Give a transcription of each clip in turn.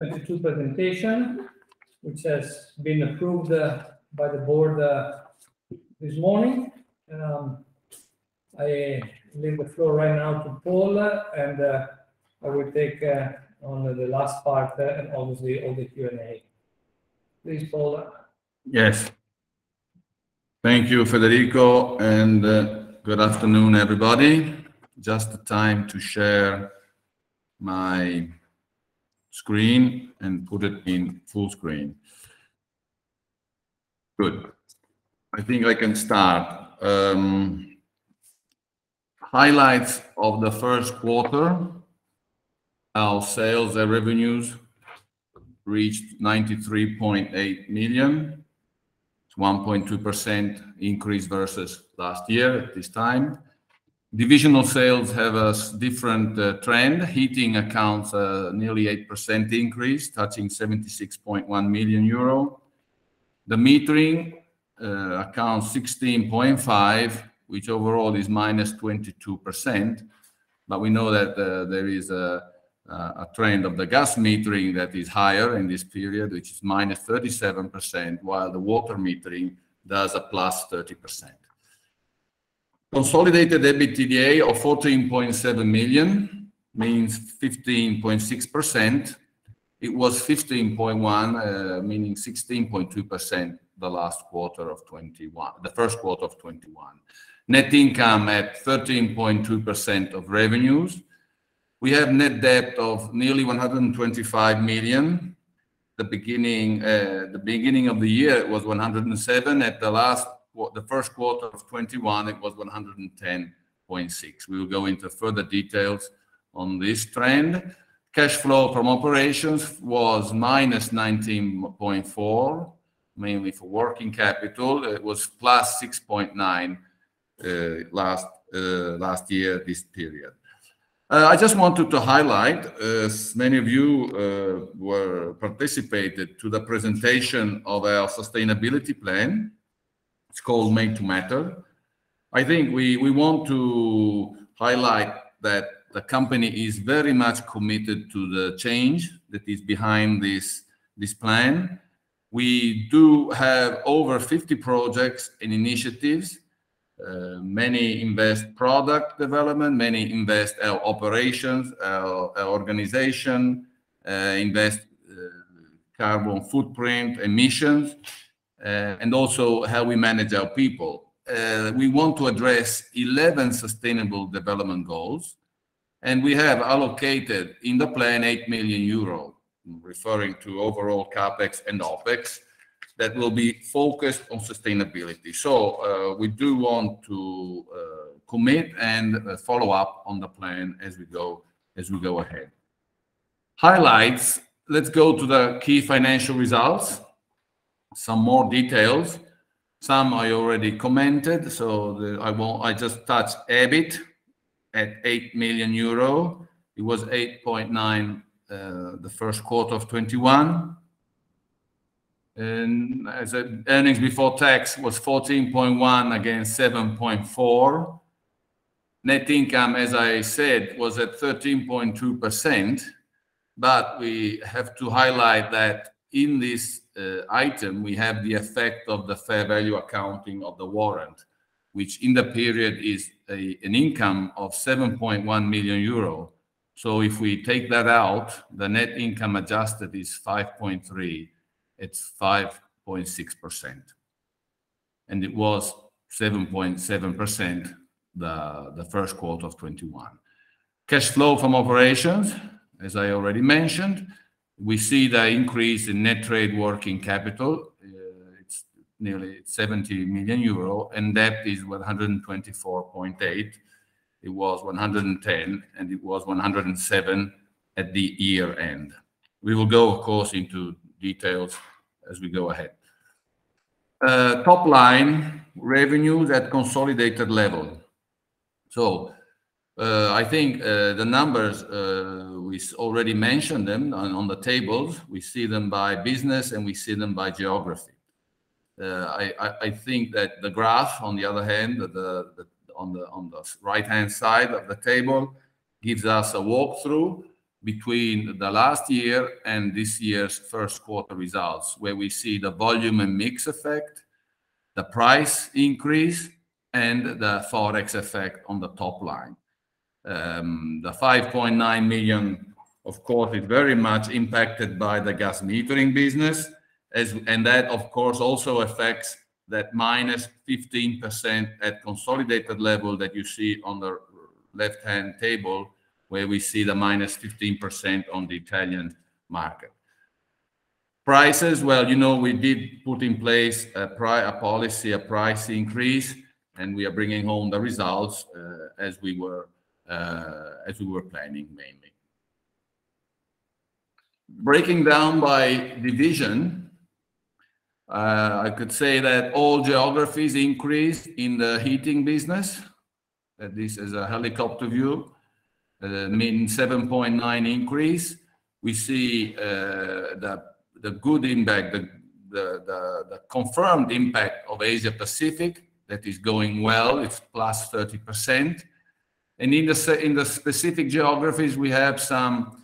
Presentation, which has been approved by the board this morning. I leave the floor right now to Paul, and I will take on the last part and obviously all the Q&A. Please, Paul. Yes. Thank you, Federico, and good afternoon, everybody. Just the time to share my screen and put it in full screen. Good. I think I can start. Highlights of the Q1, our sales and revenues reached 93.8 million. It's 1.2% increase versus last year at this time. Divisional sales have a different trend. Heating accounts nearly 8% increase, touching 76.1 million euro. The metering accounts 16.5 million, which overall is -22%, but we know that there is a trend of the gas metering that is higher in this period, which is -37%, while the water metering does a +30%. Consolidated EBITDA of 14.7 million means 15.6%. It was 15.1, meaning 16.2% the Q1 of 2021. Net income at 13.2% of revenues. We have net debt of nearly 125 million. The beginning of the year it was 107 million. At the Q1 of 2021, it was 110.6 million. We will go into further details on this trend. Cash flow from operations was -19.4 million, mainly for working capital. It was +6.9 million last year this period. I just wanted to highlight, as many of you were participated to the presentation of our sustainability plan. It's called Made to Matter. I think we want to highlight that the company is very much committed to the change that is behind this plan. We do have over 50 projects and initiatives. Many invest in product development, many invest in our operations, our organization, invest in carbon footprint emissions, and also how we manage our people. We want to address 11 Sustainable Development Goals, and we have allocated in the plan 8 million euro, referring to overall CapEx and OpEx, that will be focused on sustainability. We want to commit and follow up on the plan as we go ahead. Highlights. Let's go to the key financial results. Some more details. Some I already commented. I just touch on EBIT at 8 million euro. It was 8.9, the Q1 of 2021. As I... Earnings before tax was 14.1 against 7.4. Net income, as I said, was at 13.2%, but we have to highlight that in this item, we have the effect of the fair value accounting of the warrant, which in the period is an income of 7.1 million euro. If we take that out, the net income adjusted is 5.3. It's 5.6%, and it was 7.7% the Q1 of 2021. Cash flow from operations, as I already mentioned, we see the increase in net trade working capital. It's nearly 70 million euro, and debt is 124.8. It was 110, and it was 107 at the year-end. We will go, of course, into details as we go ahead. Top-line revenues at consolidated level. I think the numbers we already mentioned them on the tables. We see them by business, and we see them by geography. I think that the graph, on the other hand, on the right-hand side of the table, gives us a walkthrough between the last year and this year's Q1 results, where we see the volume and mix effect, the price increase, and the Forex effect on the top line. The 5.9 million, of course, is very much impacted by the gas metering business. That, of course, also affects that -15% at consolidated level that you see on the left-hand table, where we see the -15% on the Italian market. Prices, well, you know, we did put in place a policy, a price increase, and we are bringing home the results as we were planning mainly. Breaking down by division, I could say that all geographies increased in the heating business. This is a helicopter view, meaning 7.9% increase. We see the good impact, the confirmed impact of Asia-Pacific. That is going well. It's +30%. In the specific geographies, we have some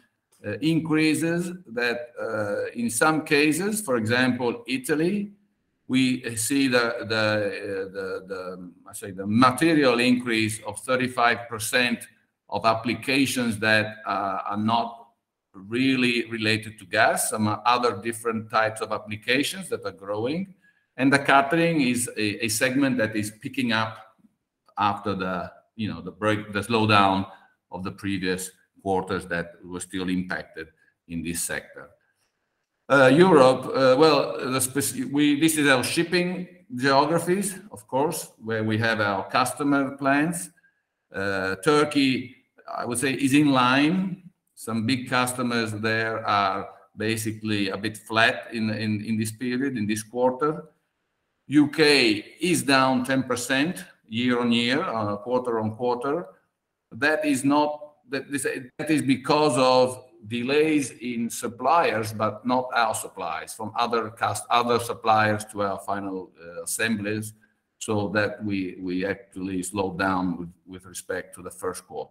increases that, in some cases, for example, Italy, we see, I say, the material increase of 35% of applications that are not really related to gas, some other different types of applications that are growing. The catering is a segment that is picking up after the, you know, the break, the slowdown of the previous quarters that were still impacted in this sector. Europe. This is our serving geographies, of course, where we have our customer plans. Turkey, I would say, is in line. Some big customers there are basically a bit flat in this period, in this quarter. U.K. is down 10% year-on-year, quarter-on-quarter. That is because of delays in suppliers, but not our suppliers, from other suppliers to our final assemblies, so that we actually slowed down with respect to the Q1.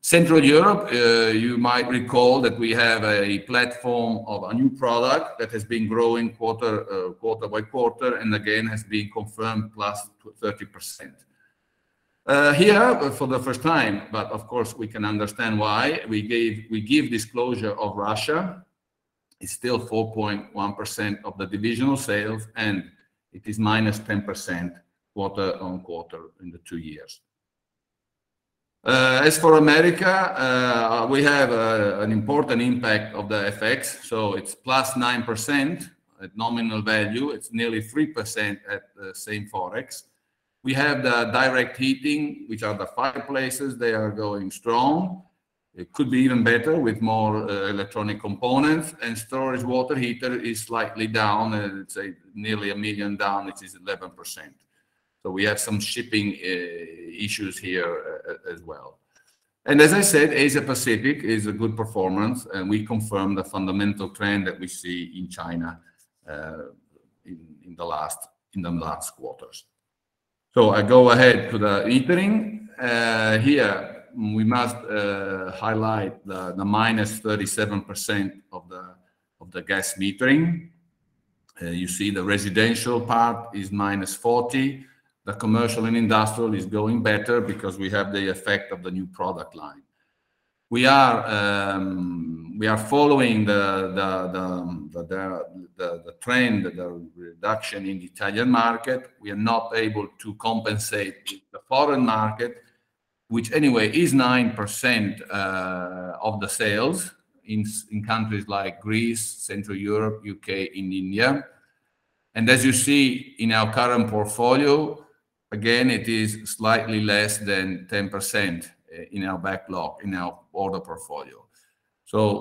Central Europe, you might recall that we have a platform of a new product that has been growing quarter by quarter, and again has been confirmed +30%. Here, for the first time, but of course we can understand why, we give disclosure of Russia. It's still 4.1% of the divisional sales, and it is -10% quarter-on-quarter in the two years. As for America, we have an important impact of the FX, so it's +9% at nominal value. It's nearly 3% at the same Forex. We have the direct heating, which are the fireplaces. They are going strong. It could be even better with more electronic components. Storage water heater is slightly down. It's nearly 1 million down, which is 11%. We have some shipping issues here as well. As I said, Asia Pacific is a good performance, and we confirm the fundamental trend that we see in China in the last quarters. I go ahead to the metering. Here, we must highlight the -37% of the gas metering. You see the residential part is -40%. The commercial and industrial is going better because we have the effect of the new product line. We are following the trend, the reduction in Italian market. We are not able to compensate with the foreign market, which anyway is 9% of the sales in countries like Greece, Central Europe, UK, India. As you see in our current portfolio, again, it is slightly less than 10% in our backlog, in our order portfolio.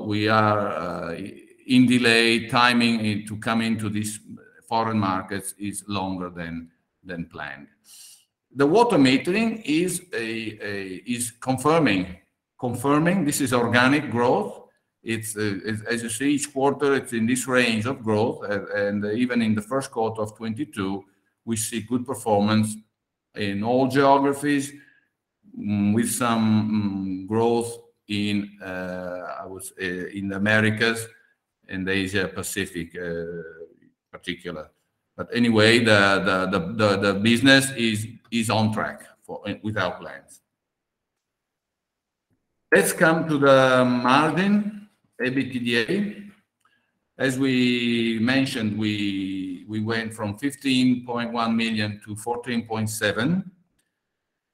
We are in delay. Timing to come into these foreign markets is longer than planned. The water metering is confirming this is organic growth. It's as you see each quarter, it's in this range of growth. Even in the first quarter of 2022, we see good performance in all geographies with some growth in the Americas and the Asia Pacific in particular. Anyway, the business is on track with our plans. Let's come to the margin, EBITDA. As we mentioned, we went from 15.1 million to 14.7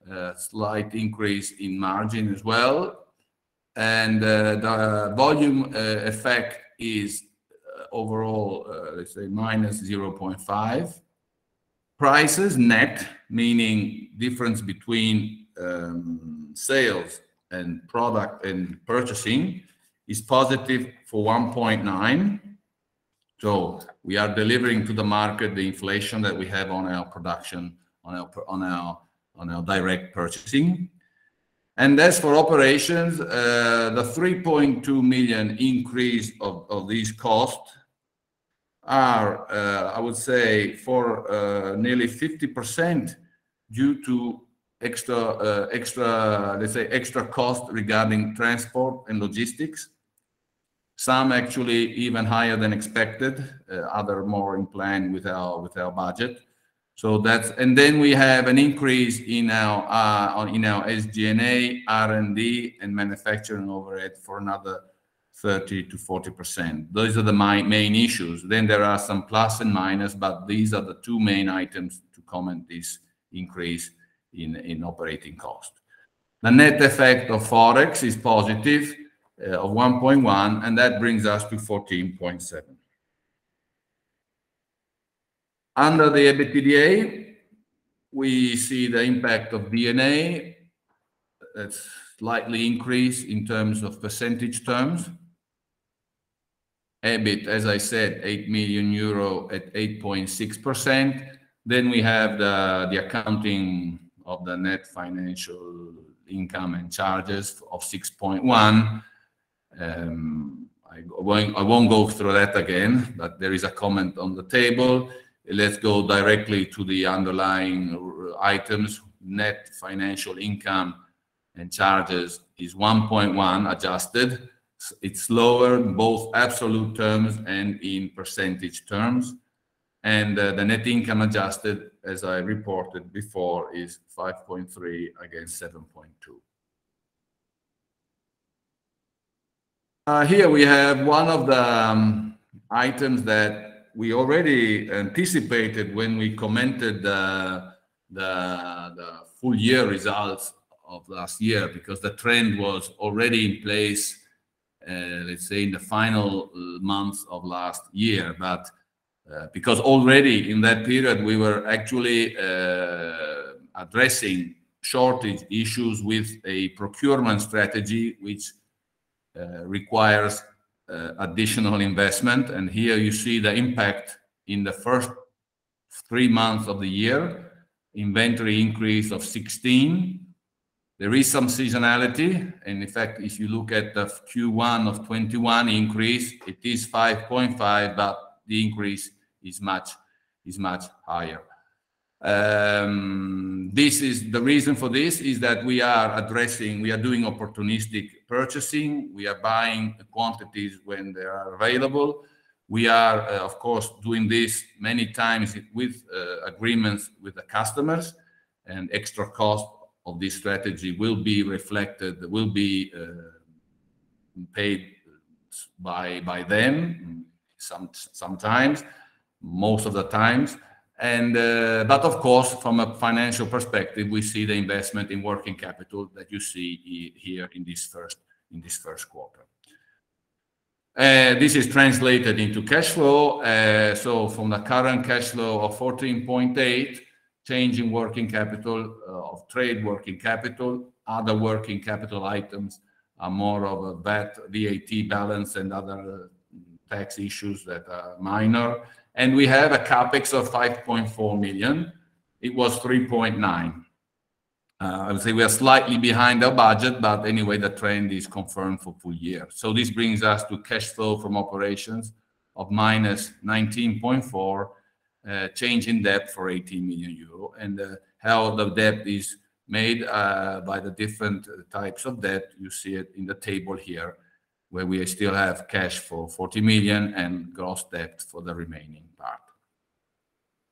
million. Slight increase in margin as well. The volume effect is overall let's say -0.5%. Prices net, meaning difference between sales and product and purchasing, is positive for 1.9%. We are delivering to the market the inflation that we have on our production, on our direct purchasing. As for operations, the 3.2 million increase of these costs are I would say for nearly 50% due to extra cost regarding transport and logistics. Some actually even higher than expected, other more in plan with our budget. That's. We have an increase in our in our SG&A, R&D, and manufacturing overhead for another 30%-40%. Those are the main issues. There are some plus and minus, but these are the two main items to comment on this increase in operating cost. The net effect of Forex is positive of 1.1 million, and that brings us to 14.7 million. Under the EBITDA, we see the impact of D&A. It's slightly increased in terms of percentage terms. EBIT, as I said, 8 million euro at 8.6%. We have the accounting of the net financial income and charges of 6.1 million. I won't go through that again, but there is a comment on the table. Let's go directly to the underlying items. Net financial income and charges is 1.1 million adjusted. It's lower in both absolute terms and in percentage terms. The net income adjusted, as I reported before, is 5.3 million against 7.2 million. Here we have one of the items that we already anticipated when we commented the full year results of last year, because the trend was already in place, let's say in the final months of last year. Because already in that period, we were actually addressing shortage issues with a procurement strategy which requires additional investment. Here you see the impact in the first 3 months of the year, inventory increase of 16. There is some seasonality. In fact, if you look at the Q1 of 2021 increase, it is 5.5, but the increase is much higher. The reason for this is that we are doing opportunistic purchasing. We are buying quantities when they are available. We are, of course, doing this many times with agreements with the customers, and extra cost of this strategy will be reflected, paid by them sometimes, most of the times. Of course, from a financial perspective, we see the investment in working capital that you see here in this Q1. This is translated into cash flow. From the current cash flow of 14.8, change in working capital of trade working capital, other working capital items are more of a VAT balance and other tax issues that are minor. We have a CapEx of 5.4 million. It was 3.9 million. I would say we are slightly behind our budget, but anyway, the trend is confirmed for full year. This brings us to cash flow from operations of -19.4, change in debt for 80 million euro. How the debt is made by the different types of debt, you see it in the table here, where we still have cash for 40 million and gross debt for the remaining part.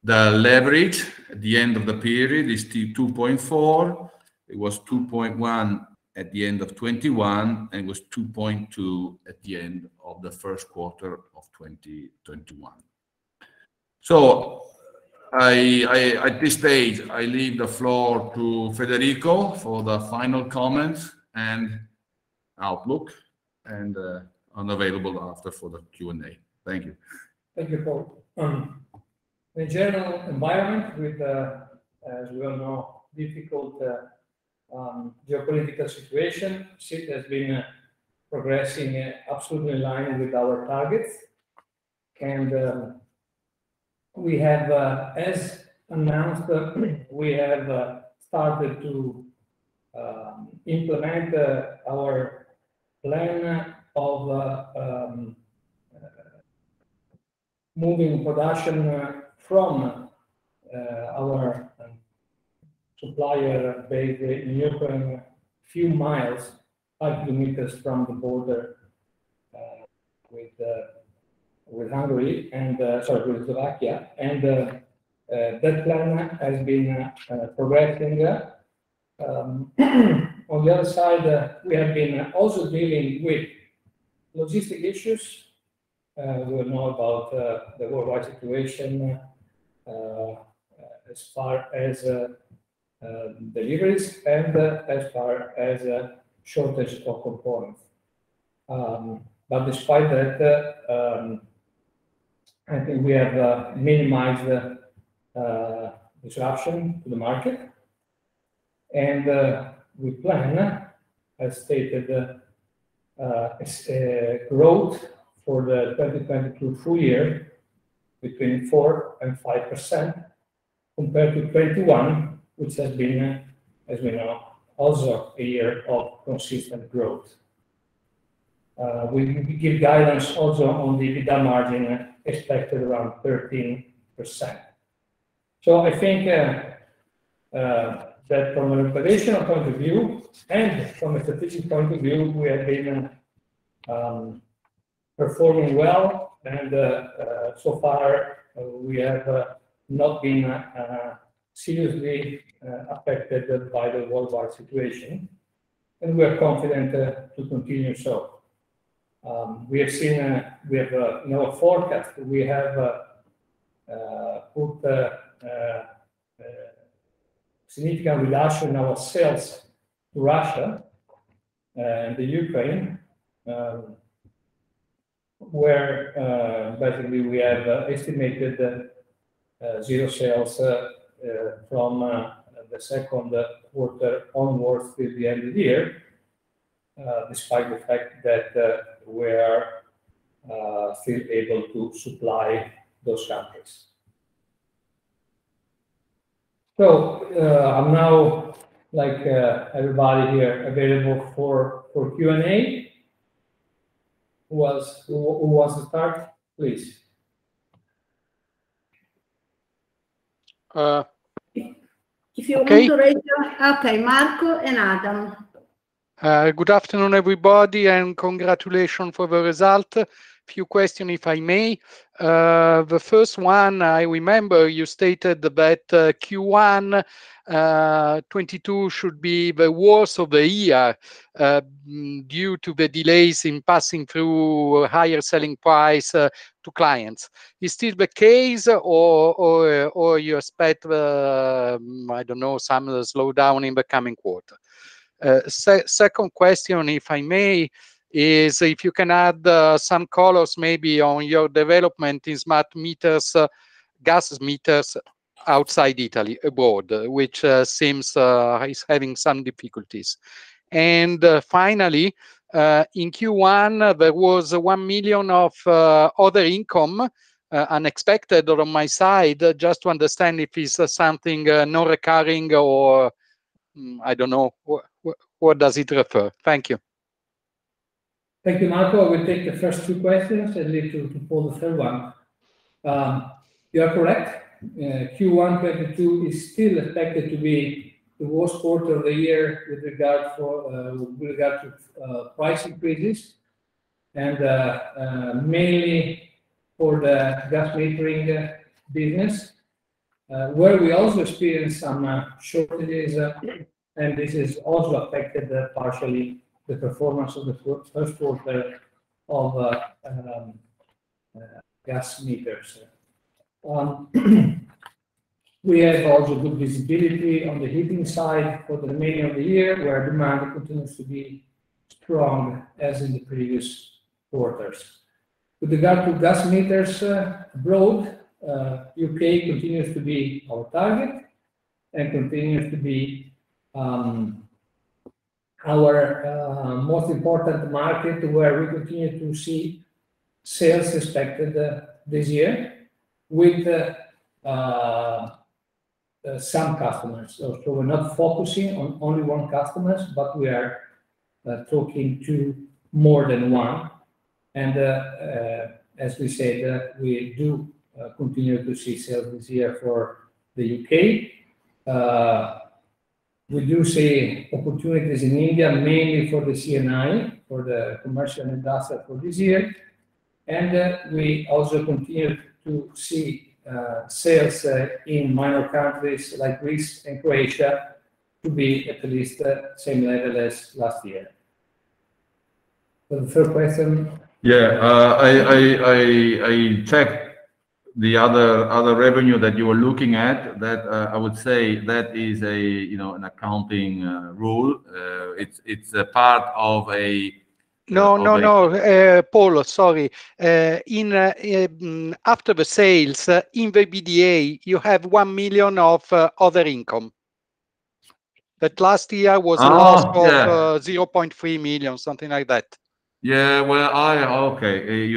The leverage at the end of the period is 2.4. It was 2.1 at the end of 2021, and it was 2.2 at the end of the Q1 of 2021. I at this stage leave the floor to Federico for the final comments and outlook, and I'm available after for the Q&A. Thank you. Thank you, Paul. The general environment with the, as we all know, difficult geopolitical situation, SIT has been progressing absolutely in line with our targets. We have, as announced, started to implement our plan of moving production from our supplier base in Ukraine a few miles, a few kilometers from the border with Hungary and, sorry, with Slovakia. That plan has been progressing. On the other side, we have been also dealing with logistics issues. We all know about the worldwide situation as far as deliveries and as far as shortage of components. Despite that, I think we have minimized the disruption to the market. We plan, as stated, growth for the 2022 full year between 4% and 5% compared to 2021, which has been, as we know, also a year of consistent growth. We give guidance also on the EBITDA margin expected around 13%. I think that from an operational point of view and from a strategic point of view, we have been performing well. So far we have not been seriously affected by the worldwide situation, and we are confident to continue so. We have seen in our forecast we have put a significant reduction in our sales to Russia and the Ukraine, where basically we have estimated zero sales from the Q2 onwards till the end of the year, despite the fact that we're still able to supply those countries. I'm now, like, everybody here available for Q&A. Who wants to start, please? Uh. If you- Okay Moderator. Okay, Marco and Adam. Good afternoon, everybody, and congratulations for the result. Few questions, if I may. The first one, I remember you stated that Q1 2022 should be the worst of the year due to the delays in passing through higher selling price to clients. Is still the case or you expect some slowdown in the coming quarter? Second question, if I may, is if you can add some colors maybe on your development in smart meters, gas meters outside Italy, abroad, which seems is having some difficulties. Finally, in Q1, there was 1 million of other income, unexpected on my side. Just to understand if it's something non-recurring or I don't know, what does it refer? Thank you. Thank you, Marco. I will take the first two questions and leave to Paul the third one. You are correct. Q1 2022 is still expected to be the worst quarter of the year with regard to price increases and mainly for the gas metering business, where we also experienced some shortages. This has also affected partially the performance of the first quarter of gas meters. We have also good visibility on the heating side for the remainder of the year, where demand continues to be strong as in the previous quarters. With regard to gas meters abroad, UK continues to be our target and continues to be our most important market where we continue to see sales expected this year with some customers. We're not focusing on only one customers, but we are talking to more than one. As we said, we do continue to see sales this year for the UK. We do see opportunities in India mainly for the C&I, for the commercial and industrial, this year. We also continue to see sales in minor countries like Greece and Croatia to be at least same level as last year. The third question? Yeah. I check the other revenue that you are looking at that, I would say that is a, you know, an accounting rule. It's a part of a No, no.... of a- Paul, sorry. In after the sales, in the EBITDA, you have 1 million of other income. That last year was- Yeah.... a loss of 0.3 million, something like that. You're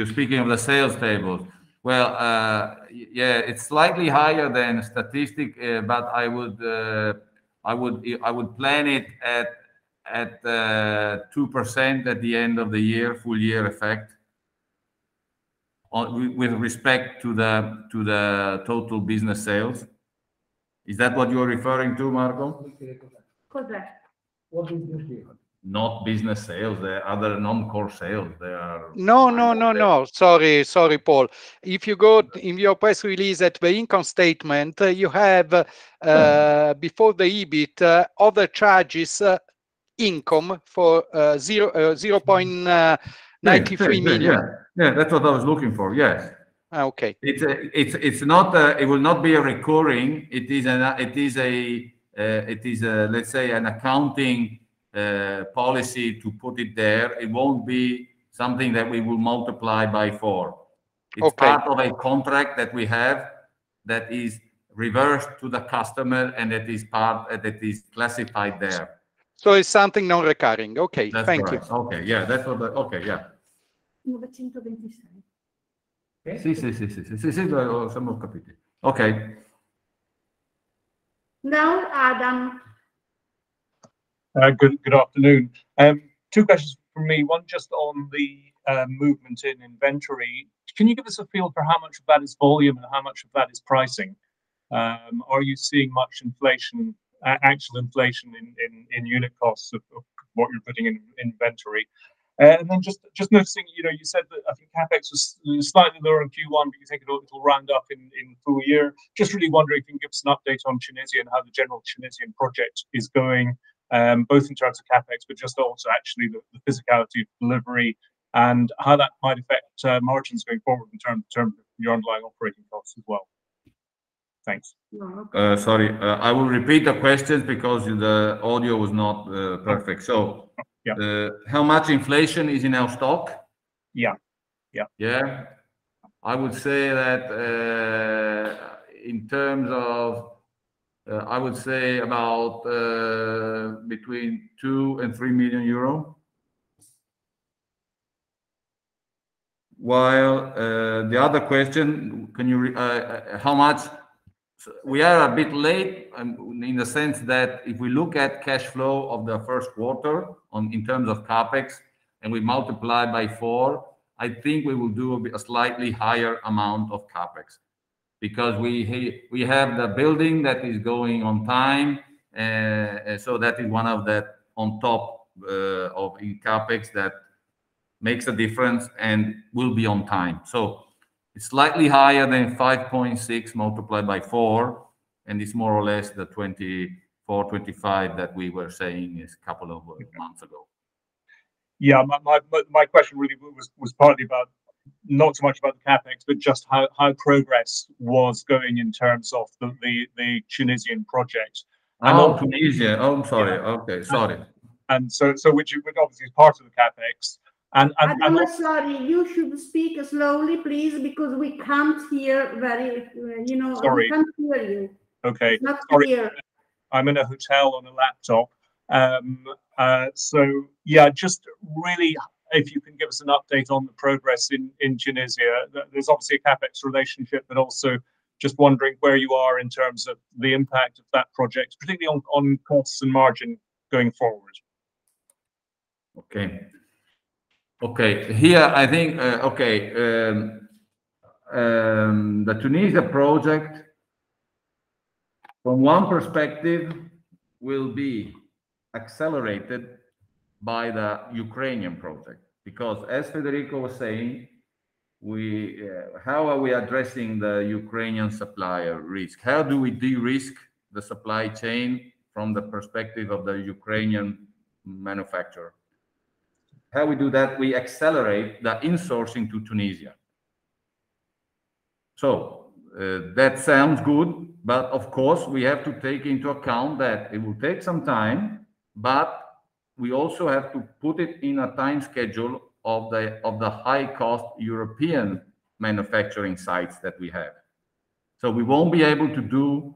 speaking of the sales table. Yeah, it's slightly higher than statistics, but I would plan it at 2% at the end of the year, full year effect with respect to the total business sales. Is that what you're referring to, Marco? Correct. What is this here? Not business sales. The other non-core sales. No, no, no. Sorry. Sorry, Paul. If you go in your press release at the income statement, you have Mm... before the EBIT, other charges, income for 0.93 million. Yeah. That's what I was looking for. Yes. Okay. It will not be a recurring. It is an accounting policy to put it there. It won't be something that we will multiply by four. Okay. It's part of a contract that we have that reverts to the customer, and it is classified there. It's something non-recurring. Okay. That's correct. Thank you. Okay. Yeah. Okay. Yeah. Okay. Now Adam. Good afternoon. Two questions from me, one just on the movement in inventory. Can you give us a feel for how much of that is volume and how much of that is pricing? Are you seeing much inflation, actual inflation in unit costs of what you're putting in inventory? Just noticing, you know, you said that, I think CapEx was slightly lower in Q1, but you think it'll round up in full year. Just really wondering if you can give us an update on Tunisian, how the general Tunisian project is going, both in terms of CapEx, but just also actually the physicality of delivery and how that might affect margins going forward in terms of your underlying operating costs as well. Thanks. No problem. Sorry, I will repeat the question because the audio was not perfect. Yeah. How much inflation is in our stock? Yeah. Yeah. Yeah. I would say that, in terms of, I would say about between 2 million and 3 million euro. We are a bit late in a sense that if we look at cash flow of the first quarter in terms of CapEx and we multiply by 4, I think we will do a slightly higher amount of CapEx. Because we have the building that is going on time and that is one of the on top of CapEx that makes a difference and will be on time. Slightly higher than 5.6 multiplied by 4, and it's more or less the 24-25 that we were saying a couple of months ago. Yeah. My question really was partly about, not so much about the CapEx, but just how progress was going in terms of the Tunisian project. Oh, I'm sorry. Yeah. Okay. Sorry. which obviously is part of the CapEx. I'm so sorry. You should speak slowly, please, because we can't hear very, you know. Sorry. We can't hear you. Okay. Sorry. Not clear. I'm in a hotel on a laptop. Yeah, just really if you can give us an update on the progress in Tunisia. There's obviously a CapEx relationship, but also just wondering where you are in terms of the impact of that project, particularly on costs and margin going forward. I think the Tunisia project, from one perspective, will be accelerated by the Ukrainian project because as Federico was saying, how are we addressing the Ukrainian supplier risk? How do we de-risk the supply chain from the perspective of the Ukrainian manufacturer? How we do that, we accelerate the insourcing to Tunisia. That sounds good, but of course, we have to take into account that it will take some time, but we also have to put it in a time schedule of the high cost European manufacturing sites that we have. We won't be able to do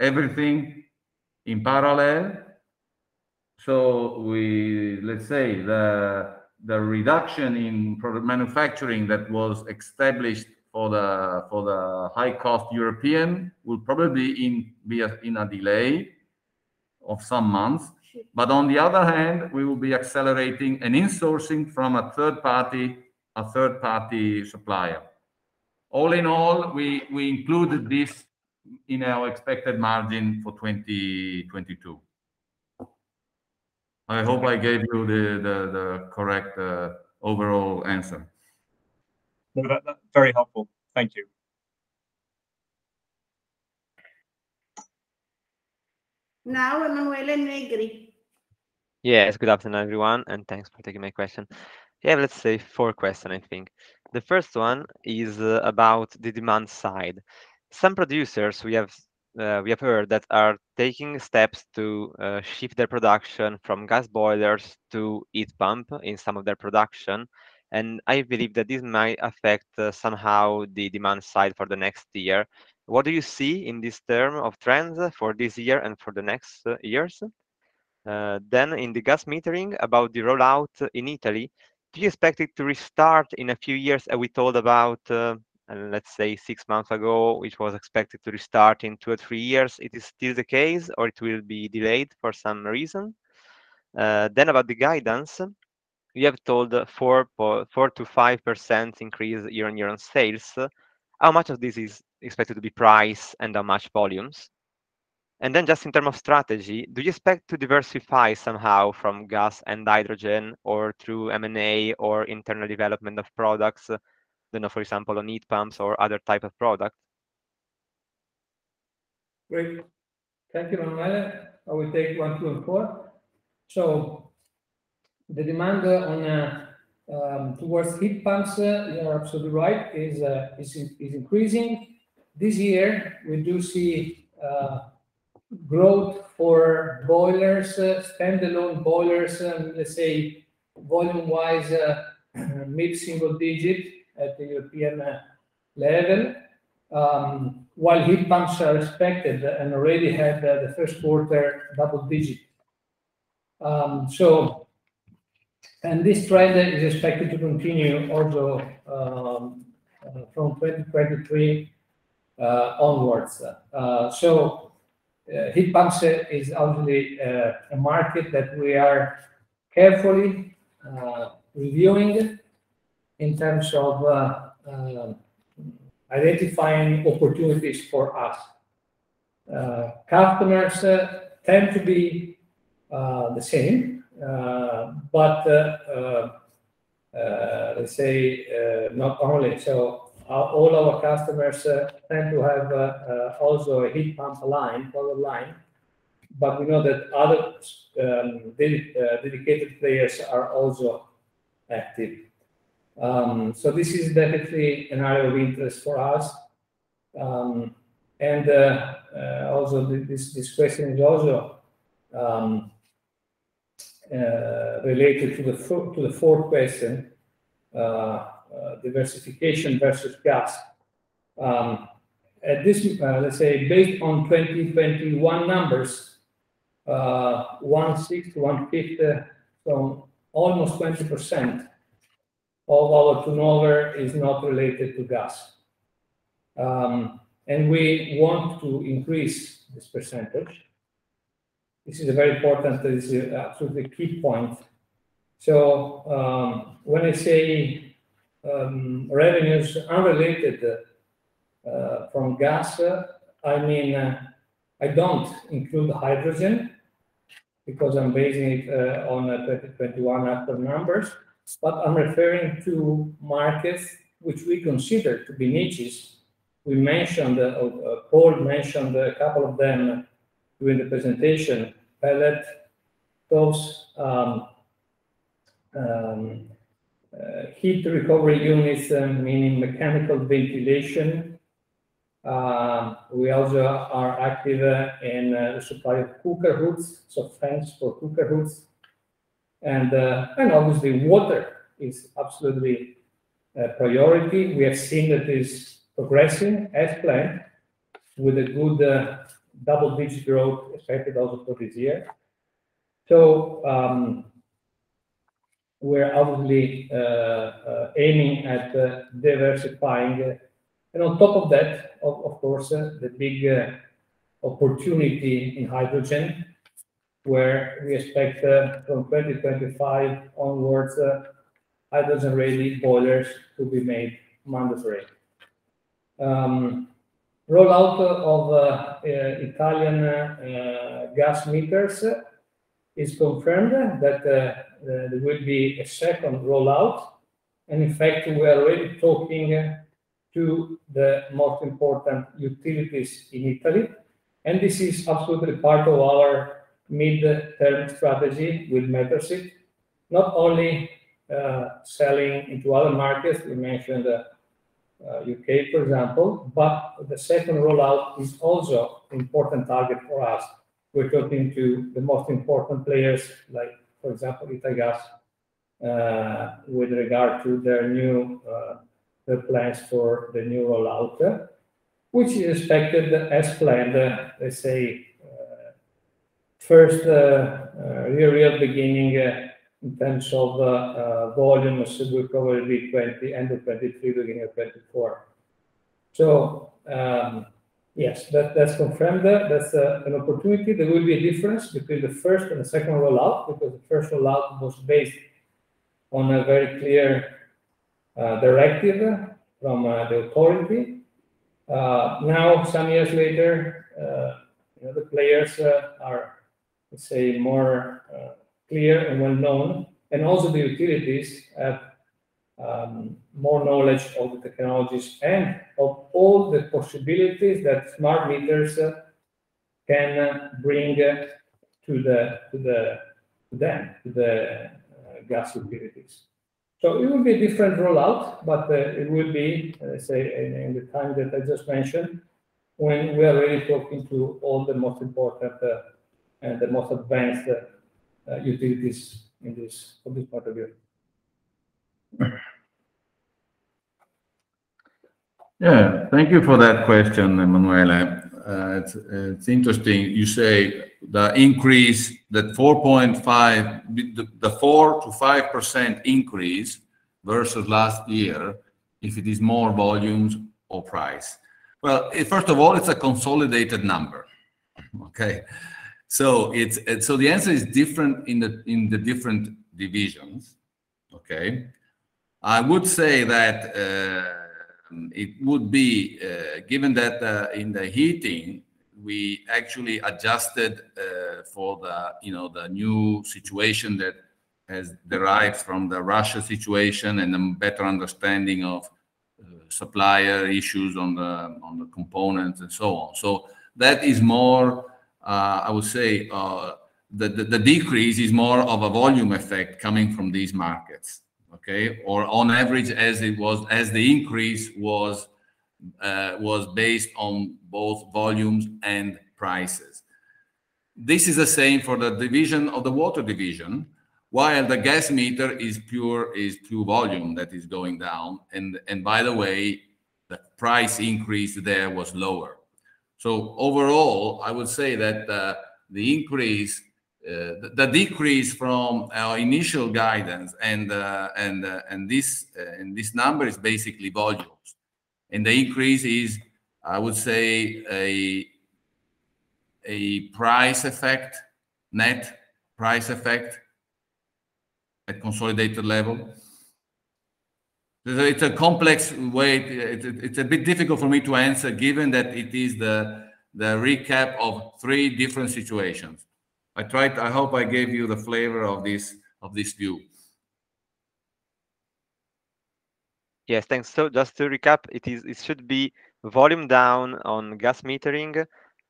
everything in parallel. Let's say, the reduction in product manufacturing that was established for the high cost European will probably be in a delay of some months. On the other hand, we will be accelerating an insourcing from a third party, a third party supplier. All in all, we included this in our expected margin for 2022. I hope I gave you the correct overall answer. No, that's very helpful. Thank you. Now Emanuele Negri. Yes. Good afternoon, everyone, and thanks for taking my question. Yeah, let's say four questions, I think. The first one is about the demand side. Some producers we have heard that are taking steps to shift their production from gas boilers to heat pumps in some of their production. I believe that this might affect somehow the demand side for the next year. What do you see in terms of trends for this year and for the next years? Then in the gas metering about the rollout in Italy, do you expect it to restart in a few years? We talked about, let's say six months ago, it was expected to restart in two or three years. It is still the case, or it will be delayed for some reason? About the guidance, you have told 4.4% to 5% increase year-over-year on sales. How much of this is expected to be price and how much volumes? Just in terms of strategy, do you expect to diversify somehow from gas and hydrogen or through M&A or internal development of products, you know, for example, on heat pumps or other type of product? Great. Thank you, Emanuele. I will take 1, 2, and 4. The demand on towards heat pumps, you are absolutely right, is increasing. This year, we do see growth for boilers, standalone boilers, and let's say volume-wise mid-single-digit% at the European level, while heat pumps are expected and already had the Q1 double-digit%. This trend is expected to continue also from 2023 onwards. Heat pumps is obviously a market that we are carefully reviewing in terms of identifying opportunities for us. Customers tend to be the same, but let's say not only. All our customers tend to have also a heat pump line, product line, but we know that other dedicated players are also active. This is definitely an area of interest for us. Also, this question is also related to the 4th question, diversification versus gas. At this, let's say based on 2021 numbers, 1/6 to 1/5 from almost 20% of our turnover is not related to gas. We want to increase this percentage. This is a very important, absolutely key point. When I say revenues unrelated from gas, I mean I don't include hydrogen because I'm basing it on the 2021 output numbers. I'm referring to markets which we consider to be niches. Paul mentioned a couple of them during the presentation. Pellet stoves, heat recovery units, meaning mechanical ventilation. We also are active in the supply of cooker hoods, so fans for cooker hoods. Obviously water is absolutely a priority. We have seen that is progressing as planned with a good double-digit growth expected also for this year. We're obviously aiming at diversifying. On top of that, of course, the big opportunity in hydrogen, where we expect from 2025 onwards, hydrogen-ready boilers to be made mandatory. Rollout of Italian gas meters is confirmed that there will be a second rollout. In fact, we are already talking to the most important utilities in Italy. This is absolutely part of our midterm strategy with MeteRSit. Not only selling into other markets, we mentioned UK, for example, but the second rollout is also important target for us. We're talking to the most important players, like, for example, Italgas, with regard to their new, their plans for the new rollout, which is expected as planned, let's say, first real beginning, in terms of, volume, so will probably be end of 2023, beginning of 2024. Yes, that's confirmed. That's an opportunity. There will be a difference between the 1st and the 2nd rollout, because the first rollout was based on a very clear, directive from, the authority. Now, some years later, you know, the players are, let's say, more, clear and well known, and also the utilities have, more knowledge of the technologies and of all the possibilities that smart meters can bring, to the, to the, to them, to the, gas utilities. It will be a different rollout, but it will be, let's say, in the time that I just mentioned, when we are already talking to all the most important and the most advanced utilities in this, for this part of Europe. Yeah. Thank you for that question, Emanuele. It's interesting you say the increase, that 4% to 5% increase versus last year, if it is more volumes or price. Well, first of all, it's a consolidated number. Okay? It's the answer is different in the different divisions. Okay? I would say that it would be given that in the heating, we actually adjusted for the, you know, the new situation that has derived from the Russia situation and a better understanding of supplier issues on the components and so on. That is more, I would say, the decrease is more of a volume effect coming from these markets, okay? On average, as the increase was based on both volumes and prices. This is the same for the water division. While the gas meter is pure volume that is going down, by the way, the price increase there was lower. Overall, I would say that the decrease from our initial guidance and this number is basically volumes. The increase is, I would say, a price effect, net price effect at consolidated level. It's a complex way. It's a bit difficult for me to answer given that it is the recap of three different situations. I hope I gave you the flavor of this view. Yes. Thanks. Just to recap, it should be volume down on gas metering,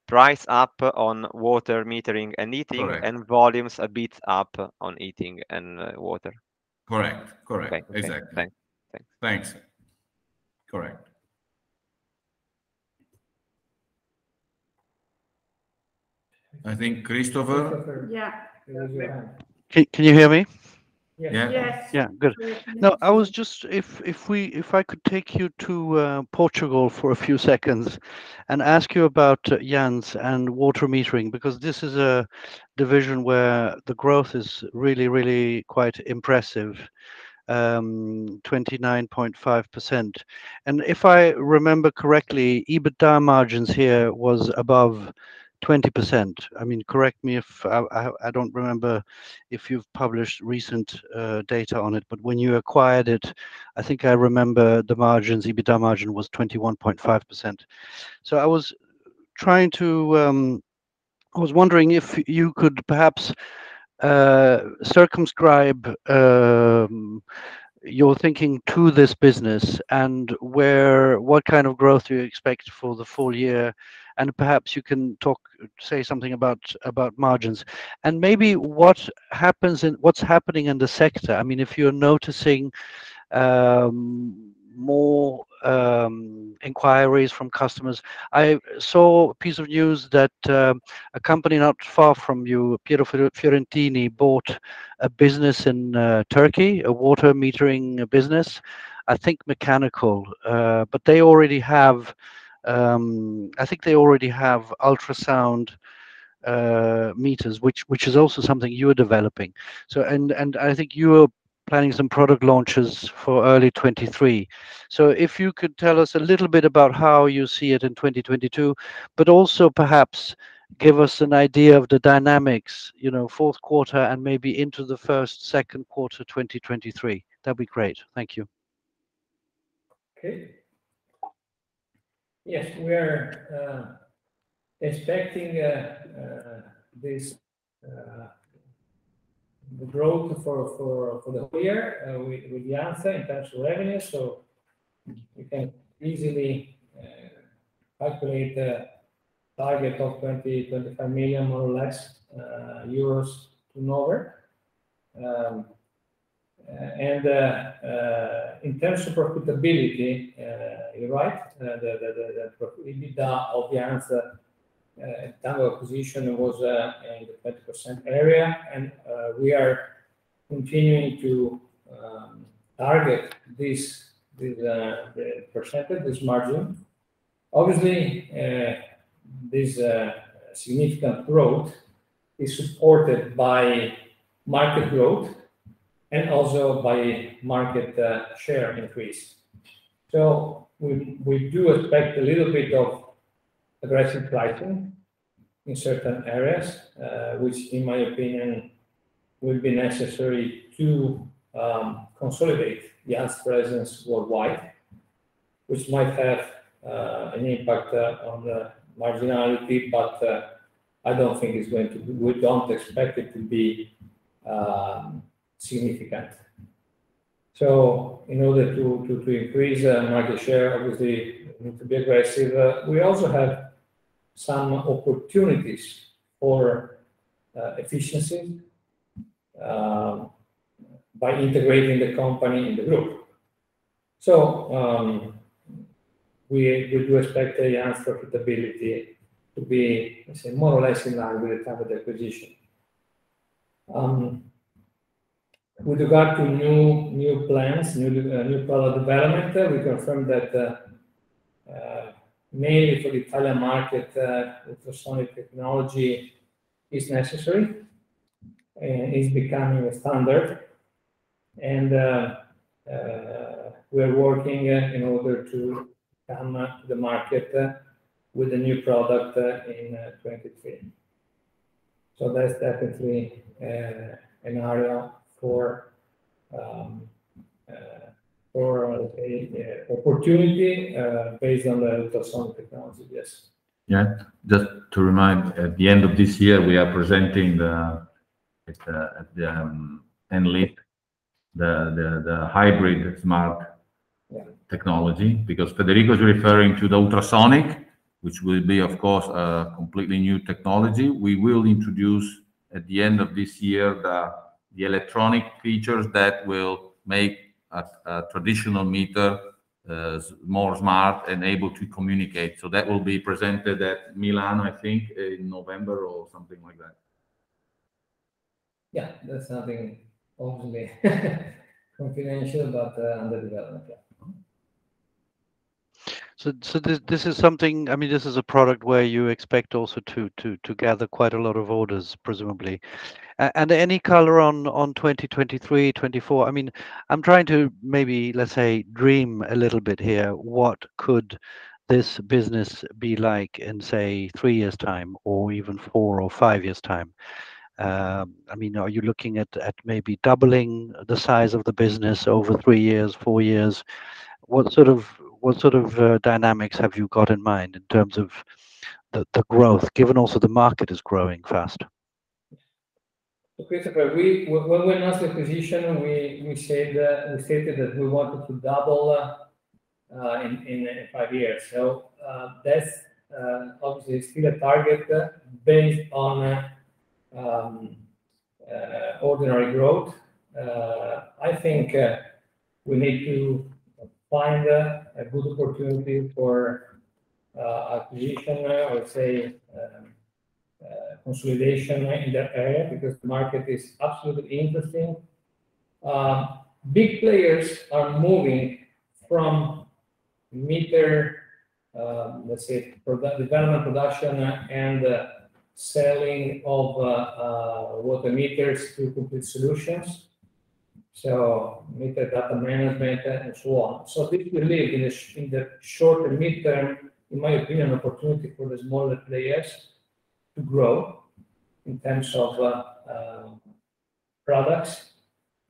price up on water metering and heating. Correct. volumes a bit up on heating and water. Correct. Correct. Okay. Exactly. Thanks. Thanks. Thanks. Correct. I think Christopher? Christopher. Yeah. Yeah. Can you hear me? Yeah. Yes. Yeah, good. Now, if I could take you to Portugal for a few seconds and ask you about Janz and water metering, because this is a division where the growth is really quite impressive, 29.5%. If I remember correctly, EBITDA margins here was above 20%. I mean, correct me if I don't remember if you've published recent data on it, but when you acquired it, I think I remember the margins, EBITDA margin was 21.5%. I was wondering if you could perhaps circumscribe your thinking to this business and what kind of growth do you expect for the full year. Perhaps you can talk, say something about margins. Maybe what's happening in the sector. I mean, if you're noticing more inquiries from customers. I saw a piece of news that a company not far from you, Pietro Fiorentini, bought a business in Turkey, a water metering business. I think mechanical, but they already have ultrasonic meters, which is also something you're developing. I think you're planning some product launches for early 2023. If you could tell us a little bit about how you see it in 2022, but also perhaps give us an idea of the dynamics, you know, Q4 and maybe into the Q1, Q2,of 2023. That'd be great. Thank you. Yes, we are expecting this growth for the year with Janz in terms of revenue. We can easily calculate the target of 25 million, more or less, you know it. In terms of profitability, you're right. The profitability of Janz at time of acquisition was in the 20% area and we are continuing to target this percentage, this margin. Obviously, this significant growth is supported by market growth and also by market share increase. We do expect a little bit of aggressive pricing in certain areas, which in my opinion will be necessary to consolidate Janz presence worldwide, which might have an impact on the marginality. I don't think it's going to. We don't expect it to be significant. In order to increase market share, obviously we need to be aggressive. We also have some opportunities for efficiency by integrating the company in the group. We do expect the Janz profitability to be, let's say more or less in line with the time of the acquisition. With regard to new product development, we confirm that mainly for the Italian market ultrasonic technology is necessary. It's becoming a standard and we're working in order to come to the market with a new product in 2023. That's definitely an area for opportunity based on the ultrasonic technology, yes. Yeah. Just to remind, at the end of this year, we are presenting the Enlit, the hybrid smart technology, because Federico is referring to the ultrasonic, which will be of course a completely new technology. We will introduce at the end of this year the electronic features that will make a traditional meter more smart and able to communicate. That will be presented at Milan, I think, in November or something like that. Yeah. That's something obviously confidential, but under development, yeah. This is something. I mean, this is a product where you expect also to gather quite a lot of orders, presumably. Any color on 2023, 2024? I mean, I'm trying to maybe, let's say, dream a little bit here, what could this business be like in, say, 3 years time or even 4 or 5 years time? I mean, are you looking at maybe doubling the size of the business over 3 years, 4 years? What sort of dynamics have you got in mind in terms of the growth, given also the market is growing fast? Christopher, when Janz acquisition, we said that we wanted to double in five years. That's obviously still a target based on ordinary growth. I think we need to find a good opportunity for acquisition, I would say, consolidation in that area because the market is absolutely interesting. Big players are moving from mere, let's say, development, production and selling of water meters to complete solutions. Meter data management and so on. I think we live in the short and midterm, in my opinion, opportunity for the smaller players to grow in terms of products.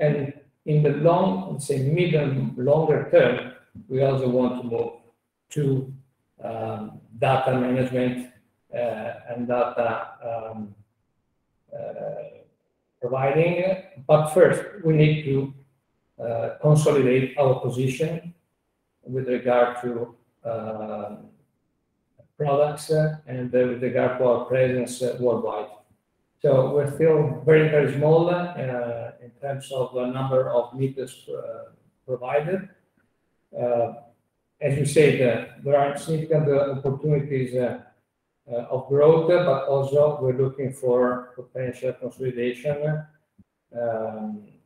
In the long, let's say, medium, longer term, we also want to go to data management and data providing. First, we need to consolidate our position with regard to products, and with regard to our presence worldwide. We're still very, very small in terms of the number of meters provided. As you say, there are significant opportunities of growth, but also we're looking for potential consolidation,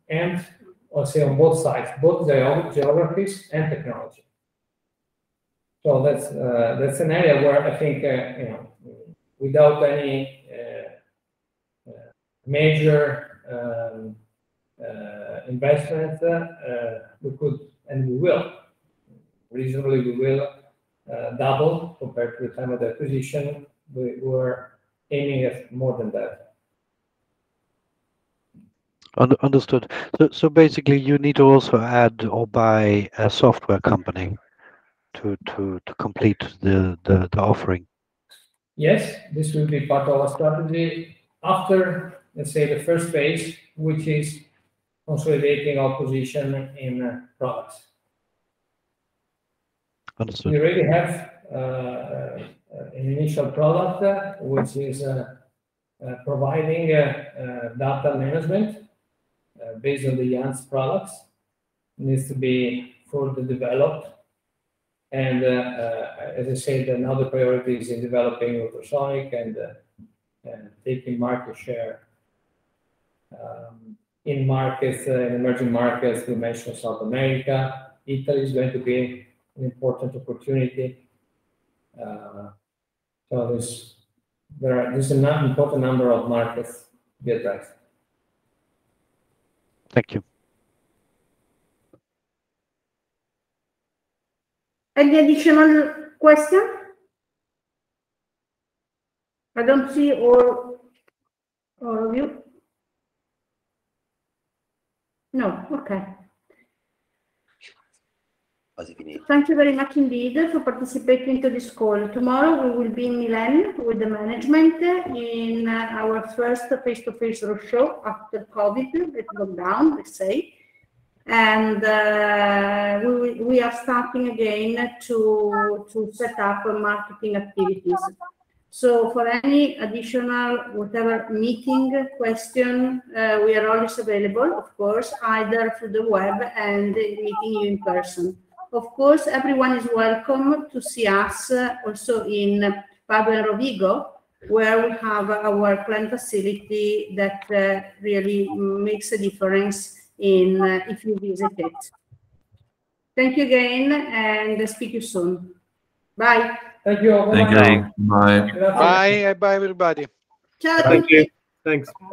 and also on both sides, both geographies and technology. That's an area where I think you know without any major investment we could and we will reasonably double compared to the time of the acquisition. We're aiming at more than that. Understood. Basically you need to also add or buy a software company to complete the offering? Yes. This will be part of our strategy after, let's say, the 1st phase, which is consolidating our position in products. Understood. We already have an initial product which is providing data management based on the Janz products. Needs to be fully developed and as I said, another priority is in developing ultrasonic and taking market share in emerging markets. You mentioned South America. Italy is going to be an important opportunity. There's an important number of markets we address. Thank you. Any additional question? I don't see all of you. No. Okay. As you can hear. Thank you very much indeed for participating to this call. Tomorrow we will be in Milan with the management in our first face-to-face roadshow after COVID. We've gone down, let's say. We are starting again to set up our marketing activities. For any additional whatever meeting, question, we are always available, of course, either through the web and meeting you in person. Of course, everyone is welcome to see us also in Padua and Rovigo, where we have our plant facility that really makes a difference in if you visit it. Thank you again, and speak to you soon. Bye. Thank you all. Thank you. Bye. Bye. Bye, everybody. Ciao tutti. Thank you. Thanks.